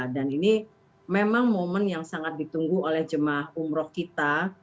dan ini memang momen yang sangat ditunggu oleh jemaah umroh kita